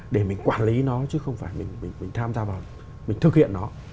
để mình quản lý nó chứ không phải mình tham gia vào mình thực hiện nó